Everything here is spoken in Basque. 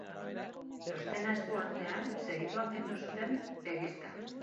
Txostena esku artean, segituan kendu zuten begizta.